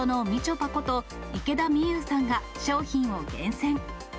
ぱこと、池田美優さんが商品を厳選。